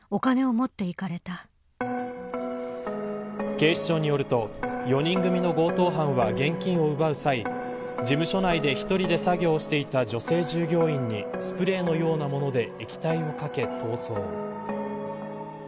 警視庁によると４人組の強盗犯は現金を奪う際事務所内で１人で作業をしていた女性従業員にスプレーのようなもので液体をかけ、逃走。